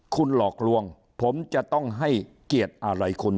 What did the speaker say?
คุณหลอกลวงผมจะต้องให้เกียรติอะไรคุณ